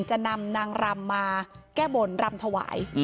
จะนำนางรำมาแก้บนรำถวาย